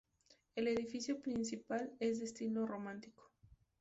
El edificio principal es de estilo romántico.